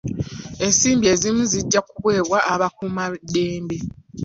Ensimbi ezimu zijja kuwebwa abakuuma ddembe.